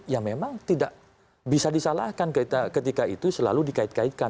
ya memang tidak bisa disalahkan ketika itu selalu dikait kaitkan